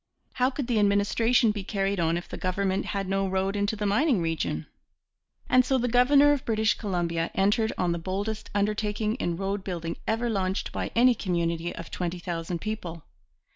How could the administration be carried on if the government had no road into the mining region? And so the governor of British Columbia entered on the boldest undertaking in roadbuilding ever launched by any community of twenty thousand people.